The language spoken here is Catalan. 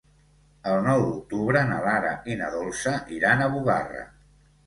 El nou d'octubre na Lara i na Dolça iran a Bugarra.